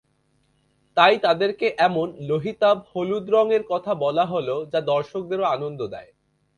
তাই তাদেরকে এমন লোহিতাভ হলুদ রং-এর কথা বলা হল, যা দর্শকদেরও আনন্দ দেয়।